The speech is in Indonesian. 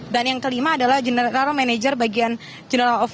dan yang kelima adalah general manager bagian jenderal